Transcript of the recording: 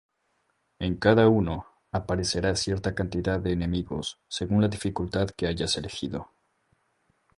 En cada uno, aparecerá cierta cantidad de enemigos según la dificultad que hayas elegido.